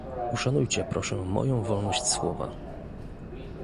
Uszanujcie proszę moją wolność słowa